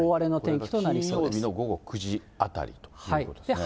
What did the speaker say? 金曜日の午後９時あたりということですね。